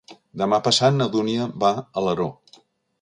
Demà passat na Dúnia va a Alaró.